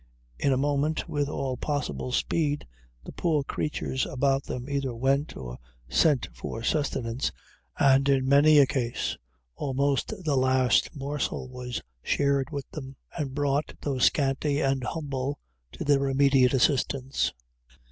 In a moment, with all possible speed, the poor creatures about them either went or sent for sustenance, and in many a case, almost the last morsel was shared with them, and brought, though scanty and humble, to their immediate assistance.